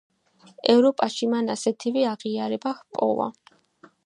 ევროპაში მან ასეთივე აღიარება ჰპოვა.